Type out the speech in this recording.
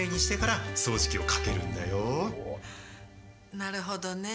なるほどねぇ。